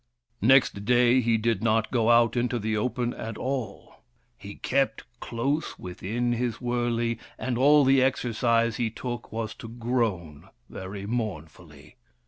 Next day he did not go out into the open at all. He kept close within his wurley, and all the exercise he took was to groan very mournfully.